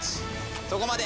そこまで！